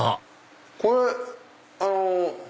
これあの。